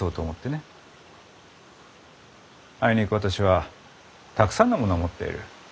あいにく私はたくさんのものを持っている。